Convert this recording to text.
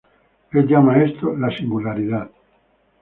Él llama a esto "la Singularidad".